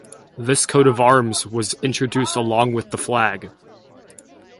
This coat of arms was introduced along with the flag.